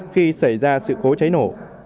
khi xảy ra sự cố cháy nổ